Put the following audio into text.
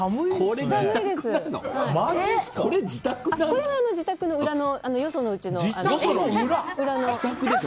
これは自宅の裏のよその家の。